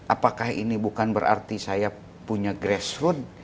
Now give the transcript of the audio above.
apakah ini bukan berarti saya punya grassroot